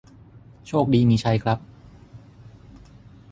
โชคดีมีชัยครับ